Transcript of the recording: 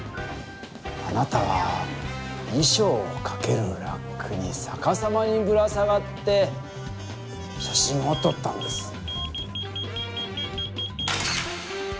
あなたはいしょうをかけるラックにさかさまにぶら下がって写真をとったんです。